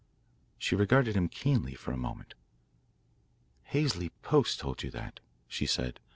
She regarded him keenly for a moment. "Halsey Post told you that," she said.